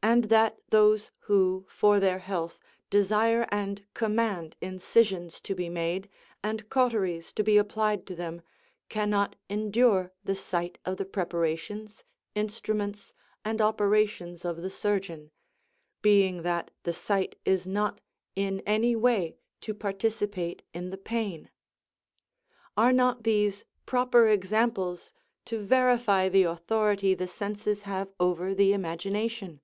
And that those who, for their health, desire and command incisions to be made, and cauteries to be applied to them, cannot endure the sight of the preparations, instruments, and operations of the surgeon, being that the sight is not in any way to participate in the pain? Are not these proper examples to verify the authority the senses have over the imagination?